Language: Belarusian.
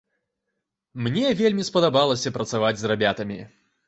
Мне вельмі спадабалася працаваць з рабятамі.